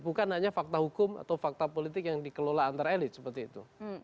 bukan hanya fakta hukum atau fakta politik yang dikelola antar elit seperti itu